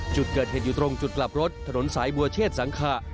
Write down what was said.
จุดเกิดเหตุอยู่ตรงจุดกลับรถถนนสายบัวเชษสังขะ